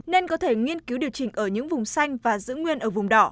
nên có thể nghiên cứu điều chỉnh ở những vùng xanh và giữ nguyên ở vùng đỏ